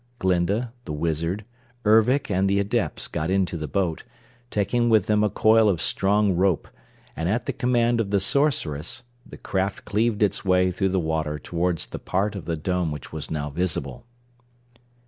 Glinda, the Wizard, Ervic and the Adepts got into the boat, taking with them a coil of strong rope, and at the command of the Sorceress the craft cleaved its way through the water toward the part of the Dome which was now visible.